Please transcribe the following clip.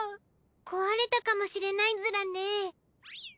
壊れたかもしれないズラね。